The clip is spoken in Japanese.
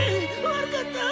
悪かった！